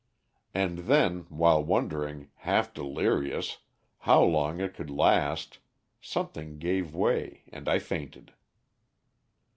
And then, while wondering, half delirious, how long it could last, something gave way and I fainted.